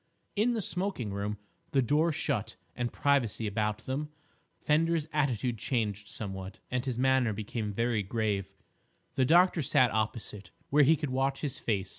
In the smoking room, the door shut and privacy about them, Fender's attitude changed somewhat, and his manner became very grave. The doctor sat opposite, where he could watch his face.